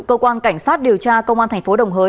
cơ quan cảnh sát điều tra công an thành phố đồng hới